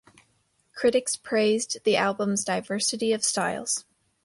Critics praised the album's diversity of styles.